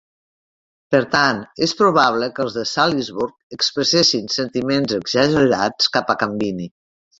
Per tant, és probable que els de Salisburg expressessin sentiments exagerats cap a Cambini.